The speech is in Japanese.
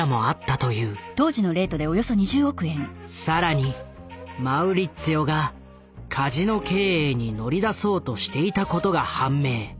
更にマウリッツィオがカジノ経営に乗り出そうとしていたことが判明。